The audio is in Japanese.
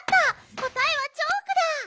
こたえはチョークだ！